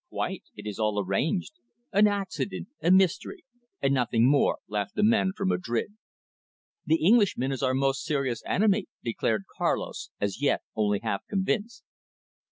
"Quite. It is all arranged an accident a mystery and nothing more," laughed the man from Madrid. "The Englishman is our most serious enemy," declared Carlos, as yet only half convinced.